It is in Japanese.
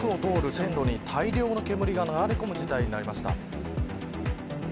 線路に大量の煙が流れ込む事態になりました。